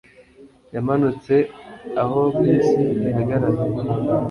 Yamanutse aho bisi ihagarara